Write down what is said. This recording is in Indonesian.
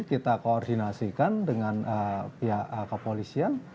kita koordinasikan dengan pihak kepolisian